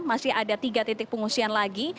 masih ada tiga titik pengungsian lagi